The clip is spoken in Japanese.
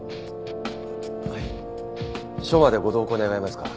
署までご同行願えますか？